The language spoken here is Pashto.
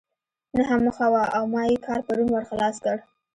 نهه مخه وه او ما ئې کار پرون ور خلاص کړ.